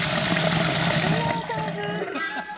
長谷川さん風。